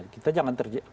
kita jangan terjaga